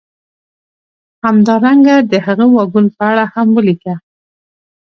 همدارنګه د هغه واګون په اړه هم ولیکه